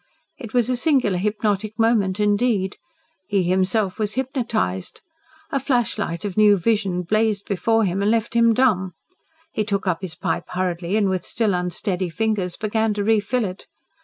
It was a singular hypnotic moment, indeed. He himself was hypnotised. A flashlight of new vision blazed before him and left him dumb. He took up his pipe hurriedly, and with still unsteady fingers began to refill it.